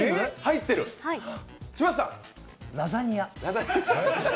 ラザニア。